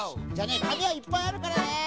かみはいっぱいあるからね。